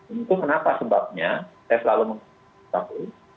itu kenapa sebabnya saya selalu mengatakan